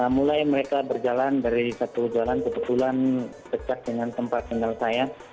mulai mereka berjalan dari satu jalan kebetulan dekat dengan tempat tinggal saya